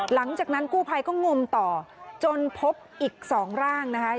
หลังจากนั้นกู้ภัยก็งมต่อจนพบอีก๒ร่างนะคะ